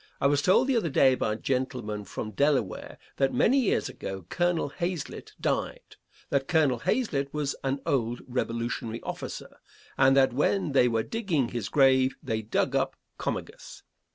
I was told the other day by a gentleman from Delaware that many years ago Colonel Hazelitt died; that Colonel Hazelitt was an old Revolutionary officer, and that when they were digging his grave they dug up Comegys.